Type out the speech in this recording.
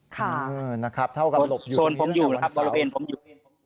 ผมอยู่ครับบริเวณผมอยู่